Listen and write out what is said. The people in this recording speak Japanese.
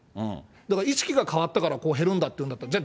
だから意識が変わったからこう減るんだっていうんだったら、じゃあ、